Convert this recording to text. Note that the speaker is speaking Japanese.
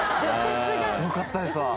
よかったですわ。